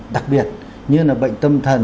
đặc biệt như là bệnh tâm thần